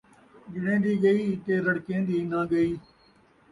ڄݨین٘دی ڳئی تے رڑکین٘دی ناں ڳئی